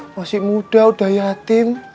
masih muda udah yatim